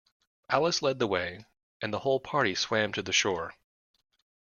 Alice led the way, and the whole party swam to the shore.